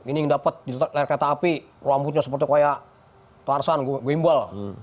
ini yang dapat di layar kereta api rambutnya seperti kayak parsan wimbol